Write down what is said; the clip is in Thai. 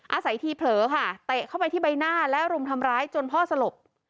อาศัยทีเผลอค่ะเตะเข้าไปที่ใบหน้าและรุมทำร้ายจนพ่อสลบ